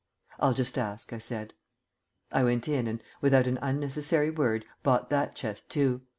"I'll just ask," I said. I went in and, without an unnecessary word, bought that chest too.